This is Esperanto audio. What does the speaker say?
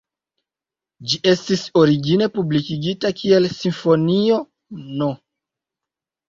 Ĝi estis origine publikigita kiel "Simfonio No.